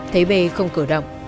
thấy bê không cửa đọc